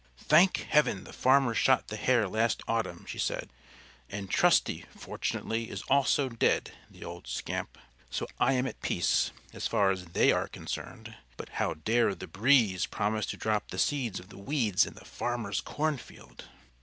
"Thank heaven, the farmer shot the Hare last autumn," she said; "and Trusty, fortunately, is also dead, the old scamp. So I am at peace, as far as they are concerned. But how dare the Breeze promise to drop the seeds of the weeds in the farmer's cornfield?"